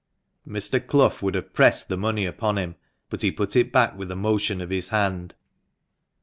Mr. Clough would have pressed the money upon him, but he put it back with a motion of his hand.